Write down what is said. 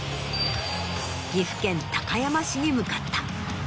岐阜県高山市に向かった。